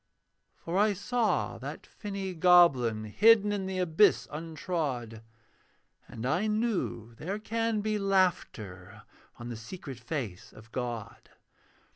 For I saw that finny goblin Hidden in the abyss untrod; And I knew there can be laughter On the secret face of God.